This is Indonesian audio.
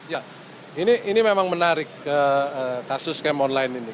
ya ini memang menarik kasus cam online ini